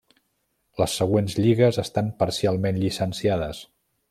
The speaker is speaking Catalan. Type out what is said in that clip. Les següents lligues estan parcialment llicenciades.